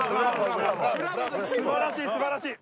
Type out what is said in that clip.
素晴らしい素晴らしい。